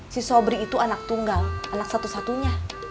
si sobri itu anak tunggal anak satu satunya